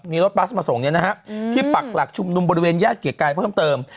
มีรถบัสมาส่งเนี่ยนะฮะที่ปักหลักชุมนุมบริเวณญาติเกียรกายเพิ่มเติม